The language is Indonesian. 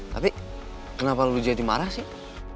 tapi kenapa lu jadi marah sih